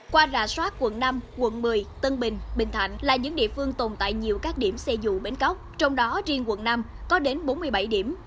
qua rà soát quận năm quận một mươi tân bình bình thạnh là những địa phương tồn tại nhiều các điểm xe dụ bến cóc trong đó riêng quận năm có đến bốn mươi bảy điểm